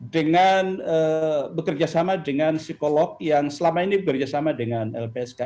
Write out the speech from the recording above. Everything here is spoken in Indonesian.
dengan bekerja sama dengan psikolog yang selama ini bekerja sama dengan lpsk